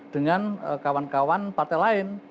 dengan kawan kawan partai lain